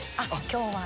今日は。